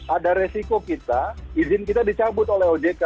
ada resiko kita izin kita dicabut oleh ojk